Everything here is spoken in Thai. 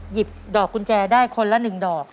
หยิบดอกกุญแจได้คนละ๑ดอก